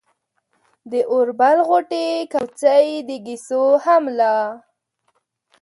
د اوربل غوټې، کوڅۍ، د ګيسو هم لا